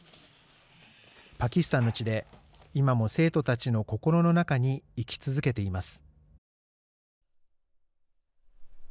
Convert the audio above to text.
パキスタンの地で今も生徒たちの心の中に生き続けています。